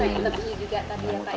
tengok ini juga tadi ya kak ia